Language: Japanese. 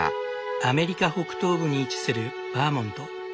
アメリカ北東部に位置するバーモント。